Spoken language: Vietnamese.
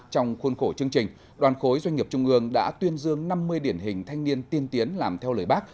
trong khuôn khổ chương trình đoàn khối doanh nghiệp trung ương đã tuyên dương năm mươi điển hình thanh niên tiên tiến làm theo lời bác